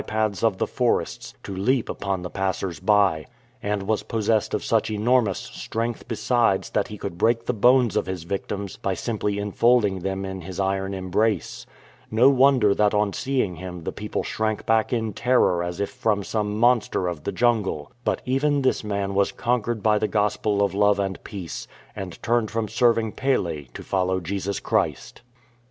This dreadful being had acquired the skill of a wild beast in lurking in the by paths of the forests to leap upon the passers by, and was possessed of such enormous strength besides that he could break the bones of his victims by simply enfolding them in his iron embrace. No wonder that on seeing him the people shrank back in terror as if from some monster of the jungle. But even this man was conquered by the gospel of love and peace, and turned from serving Pele to follow Jesus Christ.